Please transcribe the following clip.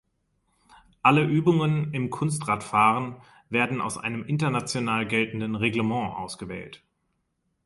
Alle Übungen im Kunstradfahren werden aus einem international geltenden Reglement ausgewählt.